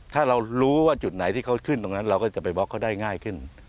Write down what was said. ถ้าเรารู้ว่าจุดไหนที่เขาขึ้นตรงนั้นเราก็จะไปบล็อกเขาได้ง่ายขึ้น